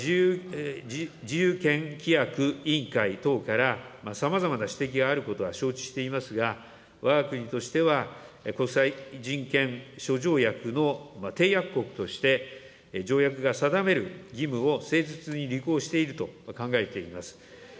自由権規約委員会等からさまざまな指摘があることは承知していますが、わが国としては、国際人権諸条約の締約国として、条約が定める義務を誠実に履行していると考えています。